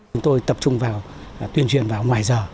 chúng tôi tập trung vào tuyên truyền vào ngoài giờ